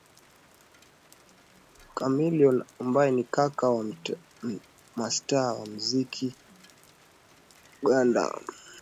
Chameleon ambaye ni kaka wa mastaa wa muziki Uganda Palaso na Weasel alisema yeye